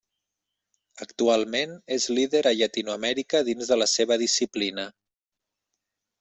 Actualment és líder a Llatinoamèrica dins de la seva disciplina.